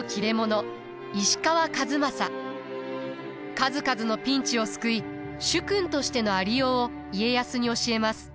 数々のピンチを救い主君としてのありようを家康に教えます。